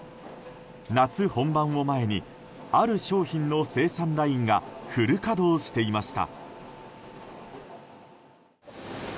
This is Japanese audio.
夏本番を前にある商品の生産ラインがフル稼働していました。